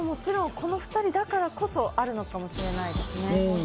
この２人だからこそ、あるのかもしれないですね。